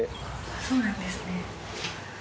そうなんですね。